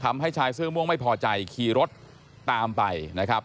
ชายเสื้อม่วงไม่พอใจขี่รถตามไปนะครับ